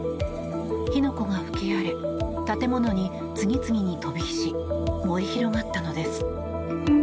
火の粉が吹き荒れ建物に次々に飛び火し燃え広がったのです。